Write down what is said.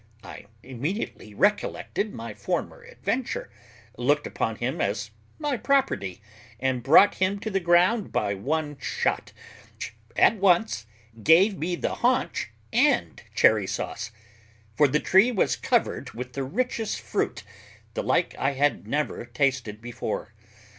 I immediately recollected my former adventure, looked upon him as my property, and brought him to the ground by one shot, which at once gave me the haunch and cherry sauce; for the tree was covered with the richest fruit, the like I had never tasted before.